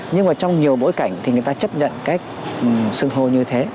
nhưng mà trong nhiều bối cảnh thì người ta chấp nhận cách xưng hô như thế